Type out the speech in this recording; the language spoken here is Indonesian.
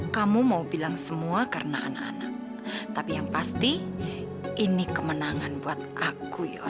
sampai jumpa di video selanjutnya